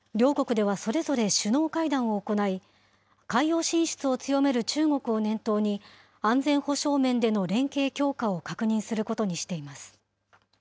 両国ではそれぞれ首脳会談を行い、海洋進出を強める中国を念頭に、安全保障面での連携強化を確認することにしています。